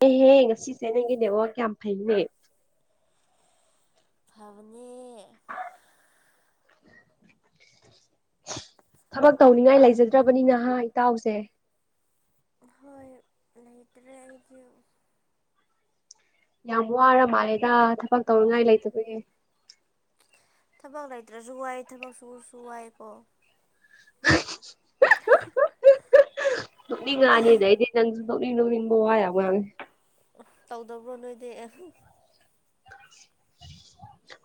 ꯍꯦꯍꯦ ꯉꯁꯤꯁꯦ ꯅꯪꯒꯤ ꯅꯦꯠꯋꯔꯀ ꯌꯥꯝ ꯐꯩꯅꯦ ꯐꯕꯅꯦ [inaudible] [inaudible] ꯊꯕꯛ ꯇꯧꯅꯤꯡꯉꯥꯏ ꯂꯩꯖꯗ꯭ꯔꯕꯅꯤꯅ ꯍꯥ ꯏꯇꯥꯎꯁꯦ ꯍꯣꯏ ꯂꯩꯇ꯭ꯔꯦ ꯑꯩꯖꯨ ꯌꯥꯝ ꯋꯔꯥ ꯃꯥꯜꯂꯦꯗ ꯊꯕꯛ ꯇꯧꯅꯤꯡꯉꯥꯏ ꯂꯩꯇꯕꯒꯤ ꯊꯕꯛ ꯂꯩꯇ꯭ꯔꯁꯨ ꯋꯥꯏ ꯊꯕꯛ ꯁꯨꯔꯁꯨ ꯋꯥꯏꯌꯦꯀꯣ [unintelligible] ꯅꯣꯛꯅꯤꯡꯉꯥꯛꯑꯅꯤ ꯑꯗꯩꯗꯤ ꯅꯪꯁꯨ ꯅꯣꯛꯅꯤꯡ ꯅꯣꯛꯅꯤꯡꯕ ꯋꯥ ꯌꯥꯝ ꯉꯥꯡꯉꯦ ꯇꯧꯗꯕ꯭ꯔꯣ ꯅꯣꯏꯗꯤ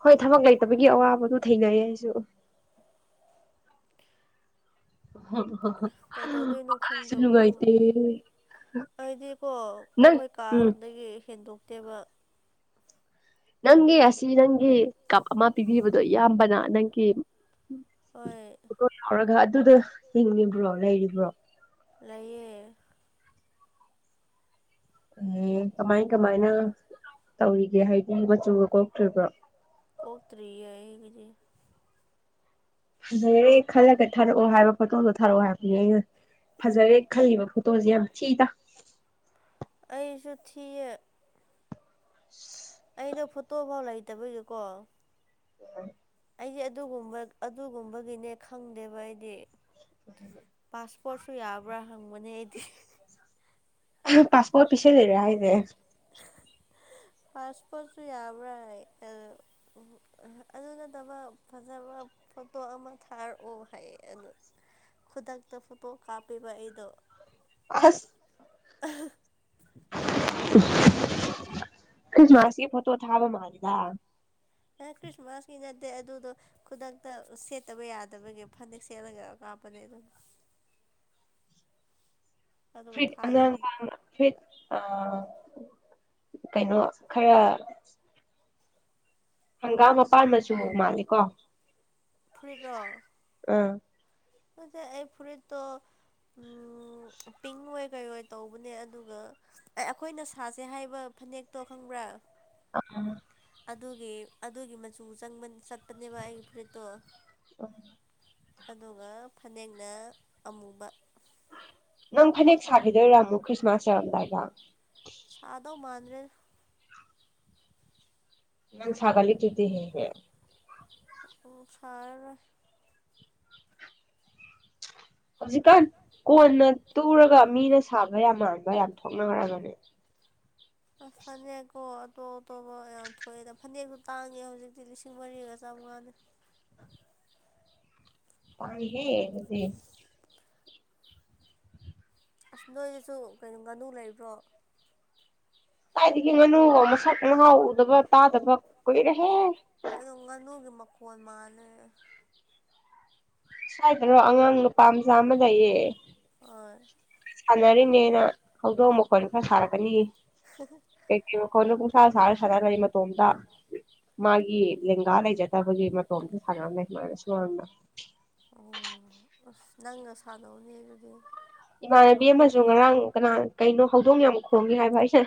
ꯍꯣꯏ ꯊꯕꯛ ꯂꯩꯇꯕꯒꯤ ꯑꯋꯥꯕꯗꯨ ꯊꯦꯡꯅꯩꯌꯦ ꯑꯩꯁꯨ [unintelligible] ꯀꯩꯗꯧꯗꯣꯏꯅꯣ ꯈꯪꯗꯕꯗꯣ ꯑꯩꯗꯤꯀꯣ ꯑꯩꯈꯣꯏ ꯀꯥꯗꯒꯤ ꯍꯦꯟꯗꯣꯛꯇꯦꯕ ꯅꯪꯒꯤ ꯑꯁꯤ ꯅꯪꯒꯤ ꯀꯞ ꯑꯃ ꯄꯤꯕꯤꯕꯗꯣ ꯏꯌꯥꯝꯕꯅ ꯅꯪꯒꯤ ꯍꯣꯏ ꯍꯧꯔꯒ ꯑꯗꯨꯗꯣ ꯍꯤꯡꯉꯤꯕ꯭ꯔꯣ ꯂꯩꯔꯤꯕ꯭ꯔꯣ ꯂꯩꯌꯦ ꯑꯦ ꯀꯃꯥꯏ ꯀꯃꯥꯏꯅ ꯇꯧꯔꯤꯒꯦ ꯍꯥꯏꯗꯤ ꯃꯆꯨꯒ ꯀꯣꯛꯇ꯭ꯔꯤꯕ꯭ꯔꯣ ꯀꯣꯛꯇꯔꯤꯌꯦ ꯑꯩ ꯍꯨꯖꯤꯛ꯫ ꯐꯖꯩꯔꯦ ꯈꯜꯂꯒ ꯊꯥꯔꯛꯑꯣ ꯍꯥꯏꯕ ꯐꯣꯠꯇꯣꯗꯣ ꯊꯥꯔꯛꯑꯣ ꯍꯥꯏꯕꯅꯦ ꯑꯩꯅ꯫ ꯐꯖꯔꯦ ꯈꯜꯂꯤꯕ ꯐꯣꯇꯣꯁꯦ ꯌꯥꯝ ꯊꯤꯗ꯫ ꯑꯩꯁꯨ ꯊꯤꯌꯦ꯫ [inaudible] ꯑꯩꯗꯣ ꯐꯣꯇꯣꯐꯥꯎ ꯂꯩꯇꯕꯒꯤꯀꯣ꯫ [inaudible] ꯑꯩꯗꯤ ꯑꯗꯨꯒꯨꯝꯕ ꯑꯗꯨꯒꯨꯝꯕꯒꯤꯅꯦ ꯈꯪꯗꯦꯕ ꯑꯩꯗꯤ꯫ [inaudible] ꯄꯥꯁꯄꯣꯔꯠꯁꯨ ꯌꯥꯕ꯭ꯔꯥ ꯍꯪꯕꯅꯦ ꯑꯩꯗꯤ꯫ ꯑꯍ ꯄꯥꯁꯄꯣꯔꯠ‌ ꯄꯤꯁꯤꯜꯂꯤꯔ ꯍꯥꯏꯖꯦ꯫ ꯄꯥꯁꯄꯣꯔꯠꯁꯨ ꯌꯥꯕ꯭ꯔ ꯑ ꯑꯣꯍꯣ ꯑꯍ ꯑꯗꯨ ꯅꯠꯇꯕ ꯐꯖꯕ ꯐꯣꯇꯣ ꯑꯃ ꯊꯔꯛꯑꯣ ꯍꯥꯏꯌꯦ ꯑꯗꯨ ꯈꯨꯗꯛꯇ ꯐꯣꯇꯣ ꯀꯥꯞꯄꯤꯕ ꯑꯩꯗꯣ꯫ ꯑꯁ꯫ ꯑꯍ꯫ ꯈ꯭ꯔꯤꯁꯃꯥꯁꯒꯤ ꯐꯣꯠꯇꯣ ꯊꯥꯕ ꯃꯥꯂꯤꯗ꯫ ꯅꯠ ꯈ꯭ꯔꯤꯁꯃꯥꯁꯀꯤ ꯅꯠꯇꯦ ꯑꯗꯨꯗꯣ ꯈꯨꯗꯛꯇ ꯁꯦꯠꯇꯕ ꯌꯥꯗꯕꯒꯤ ꯐꯅꯦꯛ ꯁꯦꯠꯂꯒ ꯀꯥꯞꯄꯅꯦ ꯑꯗꯨꯝ꯫ ꯐꯤꯔꯤꯠ ꯑꯉꯥꯡꯕ ꯑꯃꯒ꯫ ꯐꯤꯠ ꯑ ꯀꯩꯅꯣ ꯈꯔ ꯍꯪꯒꯥꯝ ꯃꯄꯥꯟ ꯃꯆꯨ ꯃꯥꯜꯂꯤ ꯀꯣ꯫ ꯐꯨꯔꯤꯠꯔꯣ? ꯑꯥ꯫ ꯉꯁꯥꯏ ꯑꯩ‌ ꯐꯨꯔꯤꯠꯇꯣ ꯎꯝ ꯄꯤꯡ ꯑꯣꯏ ꯀꯩ ꯑꯣꯏ ꯇꯧꯕꯅꯦ ꯑꯗꯨꯒ ꯑꯦ ꯑꯩꯈꯣꯏꯅ ꯁꯥꯁꯦ ꯍꯥꯏꯕ ꯐꯅꯦꯛꯇꯣ ꯈꯪꯕ꯭ꯔꯥ꯫ ꯑ꯫ ꯑꯗꯨꯒꯤ ꯑꯗꯨꯒꯤ ꯃꯆꯨ ꯆꯪ ꯆꯠꯄꯅꯦꯕ ꯑꯩꯒꯤ ꯐꯨꯔꯤꯠꯇꯣ꯫ ꯑꯗꯨꯒ ꯐꯅꯦꯛꯅ ꯑꯃꯨꯕ꯫ ꯅꯪ ꯐꯅꯦꯛ ꯁꯥꯈꯤꯗꯣꯏꯔꯥ ꯑꯃꯨꯛꯀ ꯈ꯭ꯔꯤꯁꯃꯥꯁ ꯌꯧꯔꯝꯗꯥꯏꯗ꯫ ꯁꯥꯗꯧ ꯃꯥꯟꯗ꯭ꯔꯦꯗ꯫ ꯅꯪ ꯁꯒꯠꯂꯤ ꯀꯦꯛꯇꯤ ꯍꯦꯟꯒ꯭ꯔꯦ꯫ ꯑꯣ ꯁꯥꯔꯔꯣꯏ꯫ ꯍꯧꯖꯤꯛꯀꯥꯟ ꯀꯣꯟꯅ ꯇꯨꯔꯒ ꯃꯤꯅ ꯁꯥꯕ ꯌꯥꯝ ꯃꯥꯟꯕ ꯌꯥꯝ ꯊꯣꯛꯅꯈ꯭ꯔꯕꯅꯦ꯫ ꯑꯁ ꯐꯅꯦꯛꯀꯣ ꯑꯇꯣꯞ ꯑꯇꯣꯞꯄ ꯌꯥꯝ ꯊꯣꯛꯑꯦꯗ ꯐꯅꯦꯛꯇꯣ ꯇꯥꯡꯉꯦ ꯍꯧꯖꯤꯛꯇꯤ ꯂꯤꯁꯤꯡ ꯃꯔꯤꯒ ꯆꯥꯝꯃꯉꯥꯅꯦ꯫ ꯇꯥꯡꯉꯤꯍꯦ ꯑꯗꯨꯗꯤ꯫ ꯑꯁ ꯅꯣꯏꯗꯁꯨ ꯀꯩꯅꯣ ꯉꯥꯅꯨ ꯂꯩꯕ꯭ꯔꯣ꯫ ꯀꯥꯏꯗꯒꯤ ꯉꯥꯅꯨꯔꯣ ꯃꯁꯛ ꯉꯍꯥꯎ ꯎꯗꯕ ꯇꯥꯗꯕ ꯀꯨꯏꯔꯦꯍꯦ꯫ ꯀꯩꯅꯣ ꯉꯥꯅꯨꯒꯤ ꯃꯈꯣꯜ ꯃꯥꯜꯂꯦ꯫ ꯁ꯭ꯋꯥꯏꯗꯔꯣ ꯑꯉꯥꯡ ꯅꯨꯄꯥ ꯃꯆꯥ ꯑꯃ ꯂꯩꯌꯦ꯫ ꯍꯣꯏ꯫ ꯁꯥꯟꯅꯔꯤꯅꯦꯅ ꯍꯧꯗꯣꯡ ꯃꯈꯣꯟ ꯈꯔ ꯁꯥꯔꯛꯀꯅꯤ꯫ [inaudible] ꯑꯦꯛꯆ꯭ꯌꯦꯜ ꯈꯣꯏꯅ ꯄꯨꯡꯁꯥ ꯁꯔ ꯁꯅꯥꯔ ꯂꯩ ꯃꯇꯣꯝꯗ ꯃꯥꯒꯤ ꯂꯦꯡꯒꯥ ꯂꯩꯖꯗꯕꯒꯤ ꯃꯇꯣꯝꯗ ꯁꯥꯅ ꯂꯩ ꯃꯗꯤ ꯁꯨꯃꯥꯡꯗ ꯑꯣ ꯑꯁ ꯅꯪꯒ ꯁꯥꯟꯅꯧꯅꯦ ꯑꯗꯨꯗꯤ ꯏꯃꯥꯟꯅꯕꯤ ꯑꯃꯁꯨ ꯉꯔꯥꯡ ꯀꯅꯥ ꯀꯩꯅꯣ ꯍꯧꯗꯣꯡ ꯌꯥꯝ ꯈꯣꯡꯉꯦ ꯍꯥꯏꯕ ꯑꯩꯁꯦ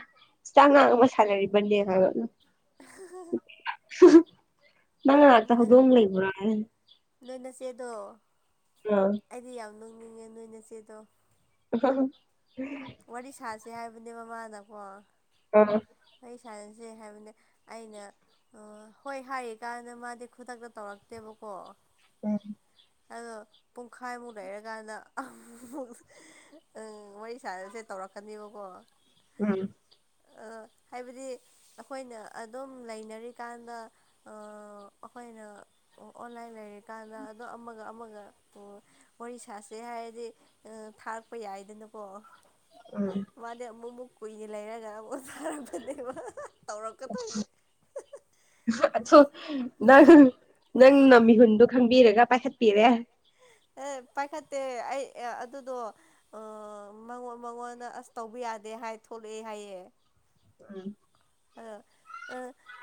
ꯆꯪꯉ ꯑꯃ ꯁꯅꯔꯤꯕꯅꯦ ꯍꯥꯏꯕ ꯎꯝ [inaudible] ꯅꯪ ꯅꯥꯛꯇ ꯍꯧꯗꯣꯡ ꯂꯩꯕ꯭ꯔꯥ ꯍꯥꯏ ꯅꯣꯏ ꯅꯆꯦꯗꯣ ꯑꯥ ꯑꯩꯗꯤ ꯌꯥꯝ ꯅꯣꯛꯅꯤꯡꯉꯦ ꯅꯣꯏ ꯅꯆꯦꯗꯣ꯫ [unintelligible] ꯋꯥꯔꯤ ꯁꯥꯁꯦ ꯍꯥꯏꯕꯅꯦꯕ ꯃꯅꯀꯣ ꯑꯥ ꯋꯥꯔꯤ ꯁꯥꯟꯅꯁꯦ ꯍꯥꯏꯕꯅꯦ ꯑꯩꯅ ꯑꯣ ꯍꯣꯏ ꯍꯥꯏꯔꯤꯀꯥꯟꯗ ꯃꯥꯗꯤ ꯈꯨꯗꯛꯇ ꯇꯧꯔꯛꯇꯦꯕꯀꯣ꯫ ꯎꯝ ꯑꯗꯣ ꯄꯨꯡꯈꯥꯏꯃꯨꯛ ꯂꯩꯔꯀꯥꯟꯗ ꯑꯃꯨꯛ__ ꯑꯪ ꯋꯥꯔꯤ ꯁꯥꯔꯁꯦ ꯇꯧꯔꯛꯀꯅꯦꯕꯀꯣ ꯎꯝ ꯑꯥ ꯍꯥꯏꯕꯗꯤ ꯑꯩꯈꯣꯏꯅ ꯑꯗꯨꯝ ꯂꯩꯅꯔꯤꯀꯥꯟꯗ ꯑ ꯑꯈꯣꯏꯅ ꯑꯣ ꯑꯣꯟꯂꯥꯏꯟ ꯂꯩꯔꯤꯀꯥꯟꯗ ꯑꯗꯣ ꯑꯃꯒ ꯑꯃꯒ ꯎ ꯋꯥꯔꯤ ꯁꯥꯥꯁꯦ ꯍꯥꯏꯔꯗꯤ ꯑꯥ ꯊꯥꯔꯛꯄ ꯌꯥꯏꯗꯅꯀꯣ꯫ ꯎꯝ ꯃꯥꯗꯤ ꯑꯃꯨꯛ ꯑꯃꯨꯛ ꯀꯨꯏꯅ ꯂꯩꯔꯒ ꯑꯃꯨꯛ ꯊꯥꯔꯛꯄꯅꯦꯕ ꯇꯧꯔꯛꯀꯗꯣꯏꯅꯦ꯫ ꯃꯥ ꯑꯆꯣ__ ꯅꯪ ꯅꯪꯅ ꯃꯤꯍꯨꯟꯗꯨ ꯈꯪꯕꯤꯔꯒ ꯄꯥꯏꯈꯠꯄꯤꯔꯦ ꯌꯦ ꯄꯥꯏꯈꯠꯇꯦ ꯑꯩ ꯑ ꯑꯗꯨꯗꯣ ꯑꯣ ꯃꯉꯣꯟ ꯃꯉꯣꯟꯗ ꯑꯁ ꯇꯧꯕ ꯌꯥꯗꯦ ꯍꯥꯏ ꯊꯣꯛꯂꯛꯑꯦ ꯍꯥꯏꯌꯦ꯫ ꯎꯝ ꯑꯗꯣ ꯑ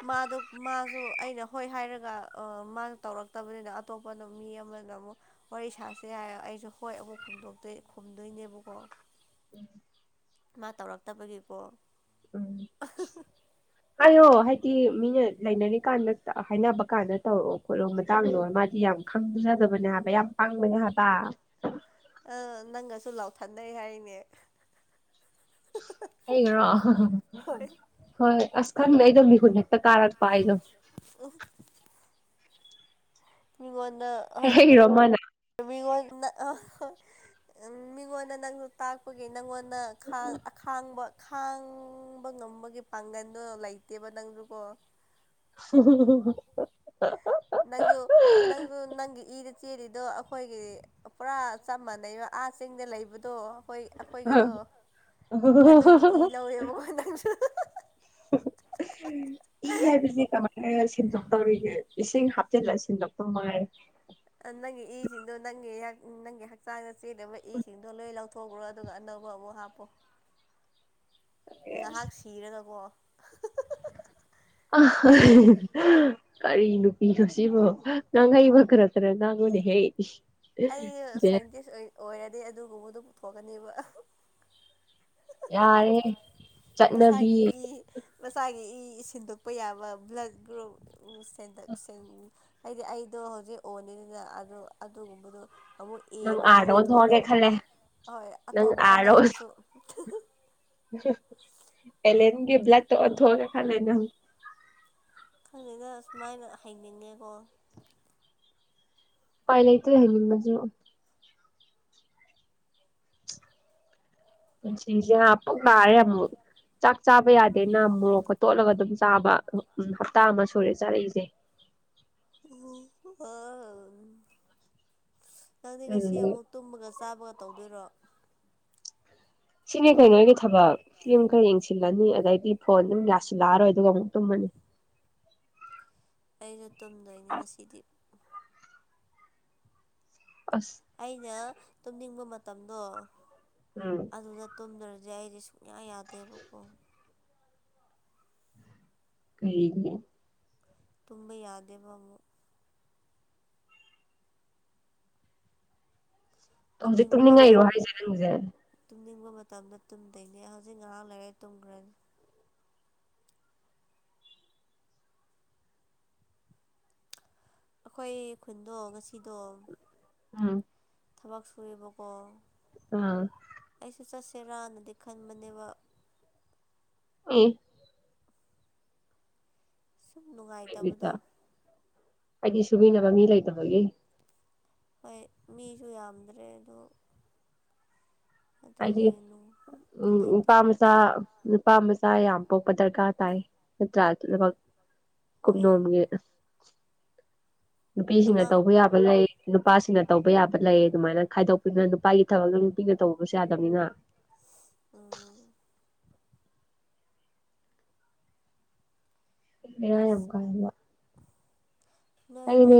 ꯃꯥꯗꯨ ꯃꯥꯖꯨ ꯑꯩꯅ ꯍꯣꯏ ꯍꯥꯏꯔꯒ ꯑ ꯃꯥꯅ ꯇꯧꯔꯛꯇꯕꯅꯤꯅ ꯑꯇꯣꯞꯄꯅ ꯃꯤ ꯑꯃꯅ ꯑꯃꯨꯛ ꯋꯥꯔꯤ ꯁꯥꯁꯦ ꯍꯥꯏꯔ ꯑꯩꯁꯨ ꯍꯣꯏ ꯑꯃꯨꯛ ꯈꯨꯝꯗꯣꯛꯇꯣꯏ ꯈꯨꯝꯗꯣꯏꯅꯦꯕꯀꯣ꯫ ꯎꯝ ꯃꯥ ꯇꯧꯔꯛꯇꯕꯒꯤꯀꯣ ꯎꯝ꯫ ꯍꯥꯏꯌꯣ ꯍꯥꯏꯗꯤ ꯃꯤꯅ ꯂꯩꯅꯔꯤꯀꯥꯟꯗꯇ ꯍꯥꯏꯅꯕ ꯀꯥꯟꯗ ꯇꯧꯔꯛꯑꯣ ꯈꯣꯠꯂꯣ ꯃꯇꯥꯡꯗꯣ ꯃꯥꯗꯤ ꯌꯥꯝ ꯈꯪꯖꯗꯕꯅꯦ ꯍꯥꯏꯕ ꯌꯥꯝ ꯄꯪꯕꯅꯦ ꯍꯥꯏꯕ꯫ ꯑꯥ ꯅꯪꯒꯁꯨ ꯂꯥꯎꯊꯠꯅꯩ ꯍꯥꯏꯅꯦ ꯑꯩꯒꯔꯣ ꯍꯣꯏ ꯑꯁ ꯈꯪꯗꯦ ꯑꯩꯗꯨ ꯃꯤꯍꯨꯟ ꯍꯦꯛ__ ꯍꯦꯛꯇ ꯀꯥꯔꯛꯄ ꯑꯩꯗꯣ ꯃꯤꯉꯣꯟꯗ ꯍꯩꯔꯣꯃꯅ [unintelligible] ꯍꯣꯏ ꯑꯪ ꯃꯤꯉꯣꯟꯗ ꯅꯪꯅ ꯇꯥꯛꯄꯒꯤ ꯅꯪꯉꯣꯟꯗ ꯑꯈꯥꯡ ꯑꯈꯥꯡꯕ ꯈꯥ__ ꯈꯥꯡꯕ ꯉꯝꯕꯒꯤ ꯄꯥꯡꯒꯟꯗꯣ ꯂꯩꯇꯦꯕ ꯅꯪꯖꯨꯀꯣ [unintelligible] ꯅꯪꯁꯨ ꯅꯪꯁꯨ ꯅꯪꯒꯤ ꯏꯗ ꯆꯦꯜꯂꯤꯗꯣ ꯑꯈꯣꯏꯒꯤ ꯄꯣꯔꯥ ꯆꯞ ꯃꯥꯟꯅꯩꯕ ꯑꯥ ꯆꯤꯡꯗ ꯂꯩꯕꯗꯣ ꯍꯣꯏ ꯑꯩꯈꯣꯏꯒꯤꯗꯣ ꯑꯗꯨꯒꯤ ꯏ ꯂꯧꯋꯦꯕꯀꯣ ꯅꯪꯁꯨ [unintelligible] ꯏ ꯍꯥꯏꯕꯁꯤ ꯀꯃꯥꯏꯅ ꯁꯤꯟꯗꯣꯛꯇꯧꯔꯤꯒꯦ ꯏꯁꯤꯡ ꯍꯥꯞꯆꯤꯟꯂ ꯁꯤꯟꯗꯣꯛꯇꯧ ꯃꯉꯥꯏꯔꯦ꯫ ꯅꯪꯒꯤ ꯏ ꯁꯤꯡꯗꯨ ꯅꯪꯒꯤ ꯍꯛ ꯅꯪꯒꯤ ꯍꯛ ꯆꯥꯡꯗ ꯆꯦꯜꯂꯤꯕ ꯏ ꯁꯤꯡꯗꯣ ꯂꯣꯏ ꯂꯧꯊꯣꯛꯈ꯭ꯔꯣ ꯑꯗꯨꯒ ꯑꯅꯧꯕ ꯑꯃꯨꯛ ꯍꯥꯞꯄꯣ꯫ ꯉꯥꯍꯥꯛ ꯁꯤꯔꯒꯀꯣ [unintelligible] ꯀꯔꯤ ꯅꯨꯄꯤꯅꯣ ꯁꯤꯕꯣ ꯉꯥꯡꯍꯩꯕ ꯈꯔ ꯈꯔ ꯅꯥꯡꯉꯨꯅꯦꯍꯦ꯫ ꯑꯩ ꯁꯥꯏꯟꯇꯤꯁ ꯑꯣꯏ ꯑꯣꯏꯔꯗꯤ ꯑꯗꯨꯒꯨꯝꯕꯗꯣ ꯄꯨꯊꯣꯛꯀꯅꯦꯕ ꯌꯥꯏꯌꯦ ꯃꯁꯥꯒꯤ ꯏ ꯃꯁꯥꯒꯤ ꯏ ꯁꯤꯟꯗꯣꯛꯄ ꯌꯥꯕ ꯕ꯭ꯂꯠ ꯒ꯭ꯔꯨꯞ ꯍꯥꯏꯗꯤ ꯑꯩꯗꯣ ꯍꯧꯖꯤꯛ ꯑꯣꯅꯤꯗꯅ ꯑꯗ ꯑꯗꯨꯒꯨꯝꯕꯗꯣ ꯑꯃꯨꯛ ꯑꯦꯒꯨꯝꯕ ꯑꯣꯟꯊꯣꯛꯅꯕ ꯍꯣꯏ ꯑꯇꯣꯞꯄ ꯑꯅꯧꯕꯁꯨ ꯑꯦꯂꯦꯟꯒꯤ ꯕ꯭ꯂꯠꯇ ꯑꯣꯟꯊꯣꯛꯑꯁꯤꯔ ꯈꯜꯂꯤꯅꯦ ꯍꯧꯖꯤꯛ ꯈꯪꯗꯦꯅ ꯁꯨꯃꯥꯏꯅ ꯍꯩꯅꯤꯡꯉꯦꯀꯣ ꯄꯥꯏ ꯂꯩꯇꯦ ꯍꯩꯅꯤꯡꯉꯁꯨ ꯄꯨꯟꯁꯤꯁꯦ ꯄꯨꯛ ꯅꯥꯏꯔꯦ ꯑꯃꯨꯛ ꯆꯥꯛ ꯆꯥꯕ ꯌꯥꯗꯦꯅ ꯃꯣꯔꯣꯛꯀ ꯇꯣꯠꯂꯒ ꯑꯗꯨꯝ ꯇꯥꯕ ꯍꯞꯇꯥ ꯑꯃ ꯁꯨꯔꯦ ꯆꯥꯔꯛꯏꯁꯦ ꯑ ꯅꯪꯗꯤ ꯉꯁꯤ ꯑꯃꯨꯛ ꯇꯨꯝꯕꯒ ꯆꯥꯕꯒ ꯇꯧꯗꯣꯏꯔꯣ ꯁꯤꯅꯦ ꯀꯩꯅꯣ ꯑꯩꯒꯤ ꯊꯕꯛ ꯌꯨꯝ ꯈꯔ ꯌꯦꯡꯁꯤꯜꯂꯅꯤ ꯑꯗꯩꯗꯤ ꯐꯣꯟ ꯑꯗꯨꯝ ꯌꯥꯁꯤꯜꯂꯛꯑꯔꯣꯏ ꯑꯗꯨꯒ ꯑꯃꯨꯛ ꯇꯨꯝꯃꯅꯤ ꯑꯩꯖꯨ ꯇꯨꯝꯗꯣꯏꯅꯤ ꯉꯁꯤꯗꯤ ꯑꯁ ꯑꯩꯅ ꯇꯨꯝꯅꯤꯡꯕ ꯃꯇꯝꯗꯣ ꯎꯝ ꯑꯗꯨꯗ ꯇꯨꯝꯗ꯭ꯔꯗꯤ ꯑꯩꯗꯤ ꯁꯨꯡꯌꯥ ꯌꯥꯗꯦꯕꯀꯣ ꯀꯔꯤꯒꯤ ꯇꯨꯝꯕ ꯌꯥꯗꯦꯕ ꯑꯃꯨꯛ ꯍꯧꯖꯤꯛ ꯇꯨꯡꯅꯤꯡꯉꯛꯏꯔꯣ ꯍꯥꯏꯁꯦ ꯅꯪꯁꯦ ꯇꯨꯝꯅꯤꯡꯕ ꯃꯇꯝꯗ ꯇꯨꯝꯗꯣꯏꯅꯦ ꯍꯧꯖꯤꯛ ꯉꯍꯥꯛ ꯂꯩꯔꯦ ꯇꯨꯝꯈ꯭ꯔꯅꯤ ꯑꯈꯣꯏ ꯈꯨꯟꯗꯣ ꯉꯁꯤꯗꯣ ꯎꯝ ꯊꯕꯛ ꯁꯨꯑꯦꯕꯀꯣ ꯑꯥ ꯑꯩꯁꯨ ꯆꯠꯁꯦꯔꯥꯅꯗꯤ ꯈꯟꯕꯅꯦꯕ ꯑ ꯁꯨꯝ ꯅꯨꯡꯉꯥꯏꯇꯕꯗꯣ ꯑꯩꯗꯤ ꯁꯨꯕꯤꯅꯕ ꯃꯤ ꯂꯩꯇꯕꯒꯤ ꯍꯣꯏ ꯃꯤꯁꯨ ꯌꯥꯝꯗ꯭ꯔꯦ ꯑꯗꯣ ꯍꯥꯏꯗꯤ ꯎꯝ ꯅꯨꯄꯥ ꯆꯥ ꯅꯨꯄꯥ ꯃꯆꯥ ꯌꯥꯝ ꯄꯣꯛꯄ ꯗꯔꯀꯥꯔ ꯇꯥꯏ ꯅꯠꯇ꯭ꯔꯥ ꯀꯨꯝꯅꯣꯝꯒꯤ ꯅꯨꯄꯤꯁꯤꯡꯅ ꯇꯧꯕ ꯌꯥꯕ ꯂꯩ ꯅꯨꯄꯥꯁꯤꯡꯅ ꯇꯧꯕ ꯌꯥꯕ ꯂꯩ ꯑꯗꯨꯃꯥꯏꯅ ꯈꯥꯏꯗꯣꯛꯄꯤꯗꯨꯅ ꯅꯨꯄꯥꯒꯤ ꯊꯕꯛ ꯅꯨꯄꯤꯅ ꯇꯧꯕꯁꯨ ꯌꯥꯗꯕꯅꯤꯅ ꯎꯝ ꯕꯦꯔꯥ ꯌꯥꯝ ꯀꯥꯏꯌ‌ꯦꯕ ꯅꯣꯏꯗꯤ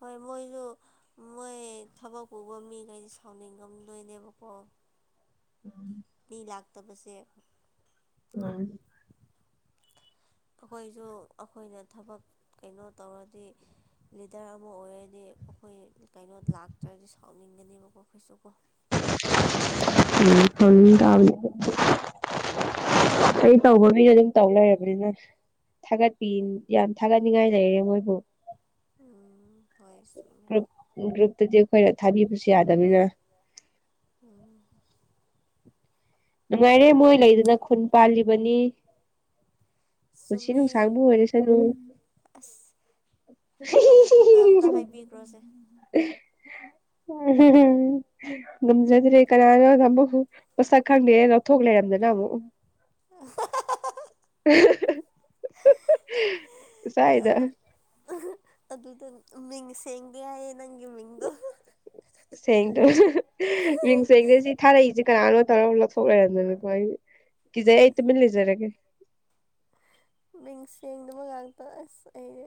ꯍꯣꯏ ꯃꯣꯏꯁꯨ ꯃꯣꯏ ꯊꯕꯛ ꯄꯨꯕ ꯃꯤꯈꯩꯗꯤ ꯁꯥꯎꯅꯤꯡꯉꯝꯗꯣꯏꯅꯦꯕ ꯀꯣ ꯎꯝ ꯃꯤ ꯂꯥꯛꯇꯕꯁꯦ ꯃꯥꯅ‌ꯦ ꯑꯩꯈꯣꯏꯁꯨ ꯑꯩꯈꯣꯏꯅ ꯊꯕꯛ ꯀꯩꯅꯣ ꯇꯧꯔꯗꯤ ꯂꯤꯗ꯭ꯔ ꯑꯃ ꯑꯣꯏꯔꯗꯤ ꯑꯩꯈꯣꯏ ꯀꯩꯅꯣ ꯂꯥꯛꯇ꯭ꯔꯗꯤ ꯁꯥꯎꯅꯤꯡꯒꯅꯦꯕꯀꯣ ꯑꯩꯈꯣꯏꯁꯨ ꯀꯣ ꯎꯝ ꯁꯥꯎꯅꯤꯡ ꯇꯥꯕꯅꯤ ꯑꯩ ꯇꯧꯕ ꯃꯤꯅ ꯑꯗꯨꯝ ꯇꯧ ꯂꯩꯔꯕꯅꯤꯅ ꯊꯥꯒꯠꯄꯤ ꯌꯥꯝ ꯊꯥꯒꯠꯅꯤꯡꯉꯥꯏ ꯂꯩꯔꯦ ꯃꯣꯏꯕꯨ ꯎꯝ ꯍꯣꯏ ꯆꯨꯝꯃꯦ ꯒ꯭ꯔꯨꯞꯇꯗꯤ ꯑꯩꯈꯣꯏꯅ ꯊꯥꯕꯤꯕꯁꯨ ꯌꯥꯗꯕꯅꯤꯅ ꯎꯝ ꯅꯨꯡꯉꯥꯏꯔꯦ ꯃꯣꯏ ꯂꯩꯗꯅ ꯈꯨꯟ ꯄꯥꯜꯂꯤꯕꯅꯤ ꯄꯨꯟꯁꯤ ꯅꯨꯡꯁꯥꯡꯕ ꯑꯣꯏꯔꯁꯅꯨ ꯑꯩꯈꯣꯏꯒꯤ ꯒ꯭ꯔꯨꯞꯇ ꯑꯝꯇ ꯍꯥꯏꯕꯤꯈ꯭ꯔꯣꯁꯦ ꯉꯝꯖꯗ꯭ꯔꯦ ꯀꯅꯥꯅ‌‌ꯣ ꯑꯃꯨꯛ ꯃꯁꯛ ꯈꯪꯗꯦꯅ ꯂꯧꯊ‌ꯣꯛ ꯂꯩꯔꯝꯗꯅ ꯑꯃꯨꯛ [unintelligible] [unintelligible] ꯑꯗꯨ ꯑꯗꯨꯗ ꯃꯤꯡ ꯁꯦꯡꯗ‌ꯦ ꯍꯥꯏꯌꯦ ꯅꯪꯒꯤ ꯃꯤꯡꯗꯣ ꯁꯦꯡꯗ꯭ꯔꯥꯁꯨ ꯃꯤꯡ ꯁꯦꯡꯗ꯭ꯔꯁꯨ ꯊꯥꯔꯛꯏꯁꯦ ꯀꯅꯥꯅꯣ ꯇꯧꯔ ꯑꯃꯨꯛ ꯂꯧꯊꯣꯛ ꯂꯩꯔꯝꯗꯅꯀꯣ ꯑꯩ ꯀꯤꯖꯩ ꯑꯩ ꯇꯨꯃꯤꯟ ꯂꯩꯖꯔꯒꯦ ꯃꯤꯡ ꯁꯦꯡꯗꯕ ꯉꯥꯛꯇ ꯑꯁ ꯑꯩ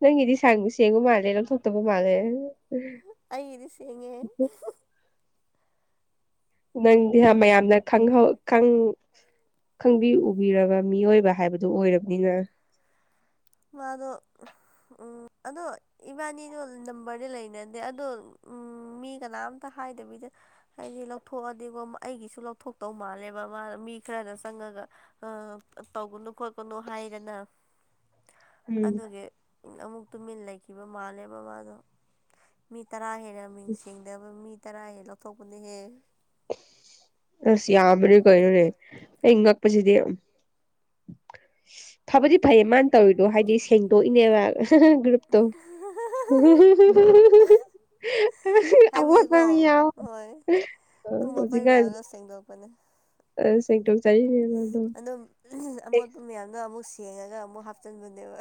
ꯅꯪꯒꯤꯗꯤ ꯁꯥꯡ ꯁꯦꯡꯕ ꯃꯥꯜꯂꯦ ꯂꯧꯊꯣꯛꯇꯕ ꯃꯥꯜꯂꯦ ꯑꯩꯒꯤꯗꯤ ꯁꯦꯡꯉꯦ ꯅꯪꯗꯤ ꯌꯥꯝ ꯃꯌꯥꯝꯅ ꯈꯪꯍꯧ ꯈꯪ ꯈꯪꯕꯤ ꯎ ꯕꯤꯔꯕ ꯃꯤꯑꯣꯏꯕ ꯍꯥꯏꯕꯗꯨ ꯑꯣꯏꯔꯕꯅꯤꯅ ꯃꯥꯗ‌ꯣ ꯎꯝ ꯑꯗꯣ ꯏꯕꯥꯟꯅꯤꯗꯣ ꯅꯝꯕ꯭ꯔꯗꯤ ꯂꯩꯅꯗꯦ ꯑꯗꯣ ꯎꯝ ꯃꯤ ꯀꯅꯥꯝꯇ ꯍꯥꯏꯗꯕꯤꯗ ꯍꯥꯏꯗꯤ ꯂꯧꯊꯣꯛꯑꯗꯤꯀꯣ ꯑꯩꯒꯤꯁꯨ ꯂꯧꯊꯣꯛꯇꯧ ꯃꯥꯜꯂꯦꯕ ꯃꯥꯅ ꯃꯤ ꯈꯔꯗ ꯆꯪꯉꯒ ꯑ ꯇꯧꯒꯅꯨ ꯈꯣꯠꯀꯅꯨ ꯍꯥꯏꯗꯅ ꯑꯗꯨꯒꯤ ꯑꯃꯨꯛ ꯇꯨꯃꯤꯟ ꯂꯩꯈꯤꯕ ꯃꯥꯜꯂꯦꯕ ꯃꯥꯗꯣ ꯃꯤ ꯇꯔꯥ ꯍꯦꯟ ꯌꯥꯝ ꯃꯤꯡ ꯁ‌ꯦꯡꯗꯕ ꯃꯤ ꯇꯔꯥ ꯍꯦꯛ ꯂꯧꯊꯣꯛꯄꯅꯦꯍꯦ ꯑꯁ ꯌꯥꯝꯕꯅꯤ ꯀꯩꯅ‌ꯣꯅ‌ꯦ ꯑꯩ ꯉꯛꯄ ꯁꯤꯗꯤ [inaudible] ꯐꯕꯗꯤ ꯐꯩꯌꯦ ꯃꯥꯅ ꯇꯧꯔꯤꯗꯣ ꯍꯥꯏꯗꯤ ꯁꯦꯡꯗꯣꯛꯏꯅꯦꯕ ꯒ꯭ꯔꯨꯞꯇꯣ ꯑꯋꯥꯠꯄ ꯑꯃ ꯌꯥꯎ ꯑꯃ‌ꯣꯠꯄ ꯃꯌꯥꯝꯗ‌ꯣ ꯁꯦꯡꯗꯣꯛꯄꯅꯦ ꯑ ꯁꯦꯡꯗꯣꯛꯆꯥꯔꯤꯅꯦꯕ ꯑꯗꯣ ꯑꯗꯣ ꯑꯃꯣꯠꯄ ꯃꯌꯥꯝꯗꯣ ꯑꯃꯨꯛ ꯁꯦꯡꯉꯒ ꯑꯃꯨꯛ ꯍꯥꯞꯆꯤꯟꯕꯅꯦꯕ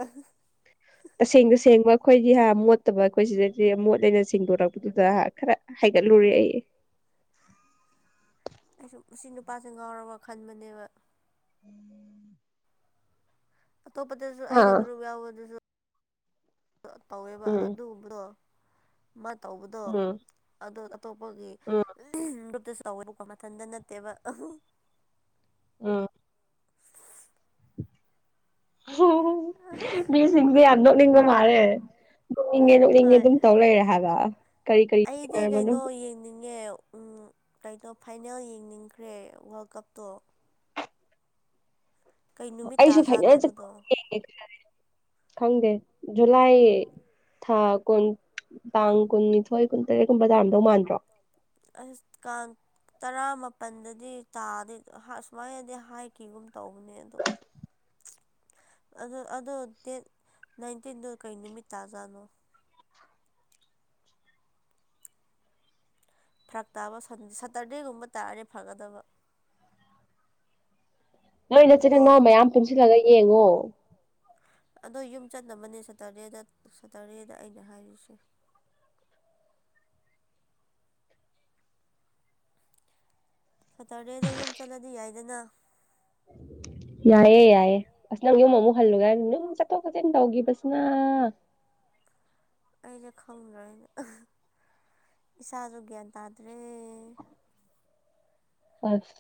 ꯇꯁꯦꯡ ꯇꯁꯦꯡꯕ ꯑꯩꯈꯣꯏꯗꯤ ꯍꯥ ꯃꯣꯠꯇꯕ ꯑꯩꯈꯣꯏ ꯁꯤꯗꯗꯤ ꯃꯣꯠ ꯂꯦꯅ ꯁꯦꯡꯗꯣꯔꯛꯄꯗꯨꯗ ꯍꯥ ꯈꯔ ꯍꯥꯏꯒꯠꯂꯨꯔꯦ ꯑꯩ ꯑꯩꯁꯨ ꯃꯥꯁꯤ ꯅꯨꯄꯥꯁꯦ ꯉꯥꯎꯔꯕ ꯈꯟꯕꯅꯦꯕ [unintelligible] ꯑꯇꯣꯞꯄꯗꯁꯨ ꯑꯩꯅ ꯒ꯭ꯔꯨꯞ ꯌꯥꯎꯕꯗꯁꯨ ꯇꯧꯋꯦꯕ ꯑꯗꯨꯒꯨꯝꯗꯣ ꯃꯥ ꯇꯧꯕꯗꯣ ꯑꯗꯣ ꯑꯇꯣꯞꯄꯒꯤ ꯒ꯭ꯔꯨꯞꯇꯁꯨ ꯇꯧꯋꯦ ꯕꯀꯣꯃꯊꯟꯇ ꯅꯠꯇꯦꯕ ꯑꯝ ꯃꯤꯁꯤꯡꯁꯦ ꯌꯥꯝ ꯅꯣꯛꯅꯤꯡꯕ ꯃꯥꯟꯂꯦ ꯅꯣꯛꯅꯤꯡꯉꯦ ꯅꯣꯛꯅꯤꯡꯉꯦ ꯑꯗꯨꯝ ꯇꯧ ꯂꯩꯔꯦ ꯍꯥꯏꯕ ꯀꯔꯤ ꯀꯔꯤ ꯊꯦꯡꯅꯔꯝꯕꯅꯣ ꯌꯦꯡꯅꯤꯡꯉꯦ ꯎꯝ ꯀꯩꯅꯣ ꯐꯥꯏꯅꯦꯜ ꯌꯦꯡꯅꯤꯡꯈ꯭ꯔꯦ ꯋꯥꯔꯜ ꯀꯞꯇꯣ ꯑꯩꯁꯨ ꯐꯥꯏꯅꯦꯜꯁꯦ ꯌꯦꯡꯒꯦ ꯈꯪꯗꯦ ꯖꯨꯂꯥꯏ ꯊꯥ ꯀꯨꯟ ꯇꯥꯡ ꯀꯨꯟꯅꯤꯊꯣꯏ ꯀꯨꯟꯇꯔꯦꯠꯀꯨꯝꯕ ꯇꯥꯔꯝꯗꯧ ꯃꯥꯟꯗ꯭ꯔꯣ ꯑꯁ ꯀꯥꯡ ꯇꯔꯥ ꯃꯥꯄꯜꯗꯗꯤ ꯇꯥꯗꯦ ꯑꯁꯨꯃꯥꯏꯅꯗꯤ ꯍꯥꯏꯈꯤꯒꯨꯝ ꯇꯧꯕꯅꯦ ꯑꯗꯣ [unintelligible] ꯑꯗꯣ ꯑꯗꯣ ꯗꯦꯠ ꯅꯥꯏꯟꯇꯤꯟꯗꯣ ꯀꯩ ꯅꯨꯃꯤꯠ ꯇꯥꯖꯥꯠꯅꯣ ꯐꯔꯛ ꯇꯥꯕ ꯁꯇꯔꯗꯦꯒꯨꯝꯕ ꯇꯥꯔꯔꯦ ꯐꯒꯗꯕ ꯅꯣꯏ ꯅꯆꯤꯜꯅꯥꯎ ꯃꯌꯥꯝ ꯄꯨꯟꯁꯤꯜꯂꯒ ꯌꯦꯡꯉꯣ ꯑꯗꯣ ꯌꯨꯝ ꯆꯠꯅꯕꯅꯦ ꯁꯇꯔꯗꯦꯗ ꯁꯇꯔꯗꯦꯗ ꯑꯩꯅ ꯍꯥꯏꯔꯤꯁꯦ ꯁ꯭ꯇꯔꯗꯦꯗ ꯌꯨꯝ ꯆꯠꯂꯗꯤ ꯌꯥꯏꯗꯅ ꯌꯥꯏꯌꯦ ꯌꯥꯏꯌꯦ ꯑꯁ ꯅꯪ ꯌꯨꯝ ꯑꯃꯨꯛ ꯍꯜꯂꯨꯒꯦ ꯍꯥꯏ ꯅꯌꯨꯝ ꯆꯠꯊꯣꯛ ꯆꯠꯁꯤꯟ ꯇꯧꯈꯤꯕꯁꯤꯅ ꯑꯩꯁꯦ ꯈꯪꯗ꯭ꯔꯦꯅ ꯏꯁꯥꯁꯨ ꯒ꯭ꯌꯥꯟ ꯇꯥꯗ꯭ꯔꯦ ꯑꯁ